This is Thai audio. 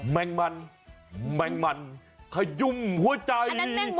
แมงมันแมงมันขยุ่มหัวใจ